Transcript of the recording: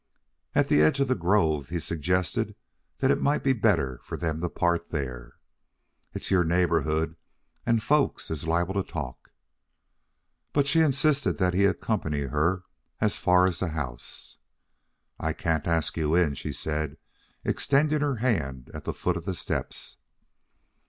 At the edge of the grove he suggested that it might be better for them to part there. "It's your neighborhood, and folks is liable to talk." But she insisted that he accompany her as far as the house. "I can't ask you in," she said, extending her hand at the foot of the steps.